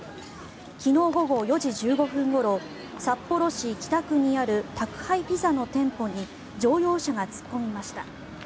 昨日午後４時１５分ごろ札幌市北区にある宅配ピザの店舗に乗用車が突っ込みました。